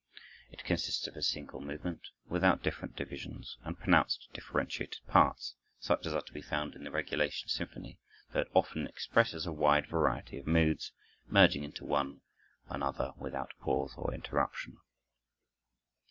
It consists of a single movement, without different divisions and pronounced differentiated parts, such as are to be found in the regulation symphony, though it often expresses a wide variety of moods, merging into one another without pause or interruption.